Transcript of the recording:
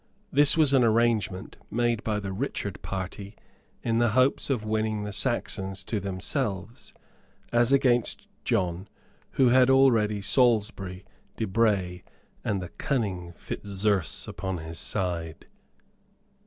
This was an arrangement made by the Richard party, in the hopes of winning the Saxons to themselves, as against John, who had already Salisbury, De Bray, and the cunning Fitzurse upon his side.